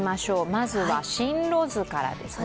まずは進路図からですね。